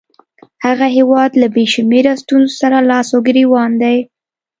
هغه هیواد له بې شمېره ستونزو سره لاس او ګرېوان دی.